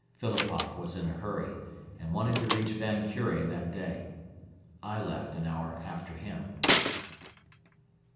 Philipoff was in a hurry and wanted to reach Van Kure that day. I left an hour after him.